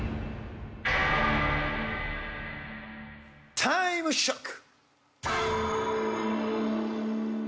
タイムショック！